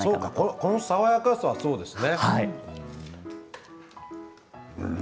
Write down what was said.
この爽やかさがそうですね。